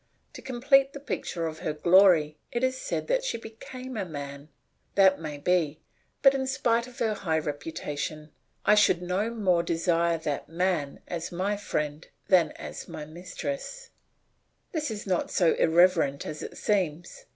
To complete the picture of her glory it is said that she became a man. That may be, but in spite of her high reputation I should no more desire that man as my friend than as my mistress. This is not so irrelevant as it seems.